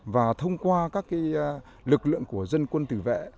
và thông qua các lực lượng của dân quân tử vệ